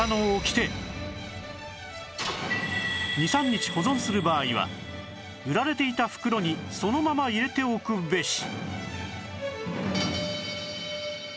２３日保存する場合は売られていた袋にそのまま入れておくべし！